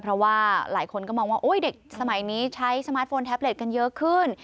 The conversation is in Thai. เพราะว่าหลายคนก็มองว่าเด็กสมัยนี้ใช้สมาร์ทโฟนแท็บเล็ตกันเยอะขึ้น